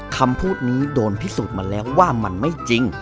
คำพูดนี้โดนพิสูจน์มาแล้วว่ามันไม่จริง